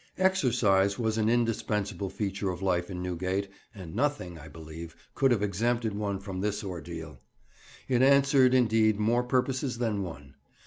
"Exercise" was an indispensable feature of life in Newgate, and nothing, I believe, could have exempted one from this ordeal. It answered, indeed, more purposes than one.